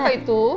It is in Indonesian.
itu apa itu